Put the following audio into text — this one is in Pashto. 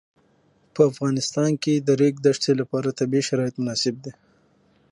په افغانستان کې د د ریګ دښتې لپاره طبیعي شرایط مناسب دي.